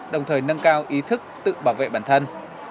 đồng thời nâng cao ý thức tự bảo vệ bản thân